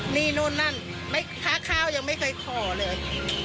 นี่นู่นนั่นค่าข้าวยังไม่เคยขอเลย